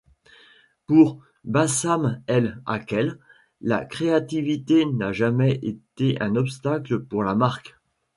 Pour Bassam El Akel, “la créativité n’a jamais été un obstacle pour la marque.